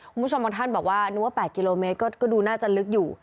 คุณผู้ชมบางท่านบอกว่านึกว่า๘กิโลเมตรก็ดูน่าจะลึกอยู่